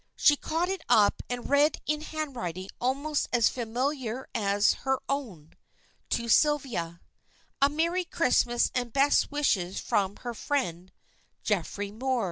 She caught it up and read in handwriting almost as familiar as her own: "To Sylvia, A merry Christmas and best wishes from her friend, Geoffrey Moor."